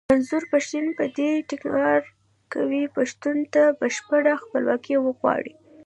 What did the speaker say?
منظور پښتين په دې ټينګار کوي پښتنو ته بشپړه خپلواکي غواړي.